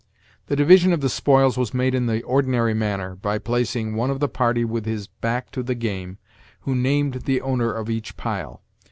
The division of the spoils was made in the ordinary manner, by placing one of the party with his hack to the game, who named the owner of each pile.